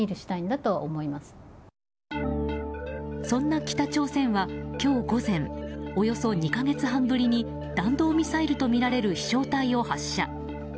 そんな北朝鮮は今日午前およそ２か月半ぶりに弾道ミサイルとみられる飛翔体を発射。